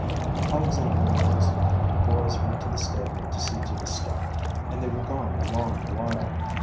Alexandra rose. The boys went to the stable to see to the stock, and they were gone a long while.